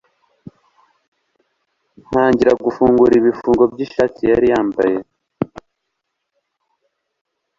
ntangira gufungura ibifungo by'ishati yari yambaye